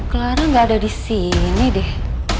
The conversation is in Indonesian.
clara gak ada disini deh